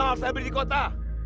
mahal saya berdiri di kota